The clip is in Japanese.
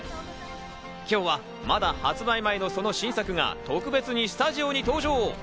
今日は、まだ発売前のその新作が特別にスタジオに登場。